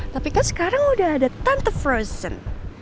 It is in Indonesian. tapi kan sekarang udah ada tante forcent